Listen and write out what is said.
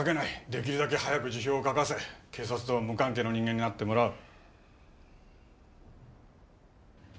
出来るだけ早く辞表を書かせ警察とは無関係の人間になってもらう。